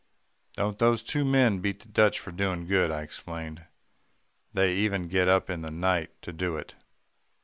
"Don't those two men beat the Dutch for doing good?" I exclaimed. "They even get up in the night to do it."